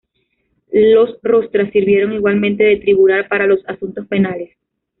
Los "Rostra" sirvieron igualmente de tribunal para los asuntos penales.